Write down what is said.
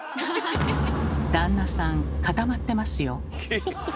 旦那さん固まってますよ。